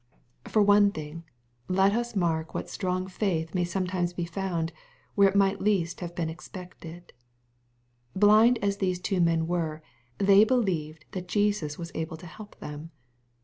For one thing, let us mark what strong faith may sometimeabe/oundj whereit might leasthaveheen expected. Blind as these two men were, they believed that Jesus was able to help them.